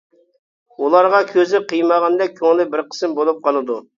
ئۇلارغا كۆزى قىيمىغاندەك كۆڭلى بىر قىسىم بولۇپ قالىدۇ.